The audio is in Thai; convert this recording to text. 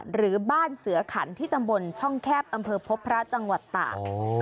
หรือบ้านเสือขันที่ตำบลช่องแคบอำเภอพบพระจังหวัดตาก